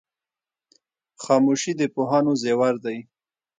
خاموشي د پوهانو زیور دی.